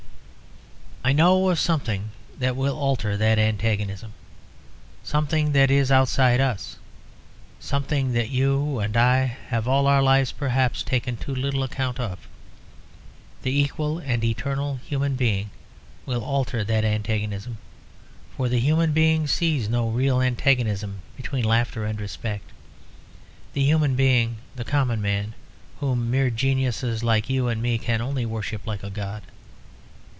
"I know of something that will alter that antagonism, something that is outside us, something that you and I have all our lives perhaps taken too little account of. The equal and eternal human being will alter that antagonism, for the human being sees no real antagonism between laughter and respect, the human being, the common man, whom mere geniuses like you and me can only worship like a god.